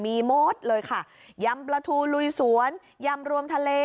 มีหมดเลยค่ะยำปลาทูลุยสวนยำรวมทะเล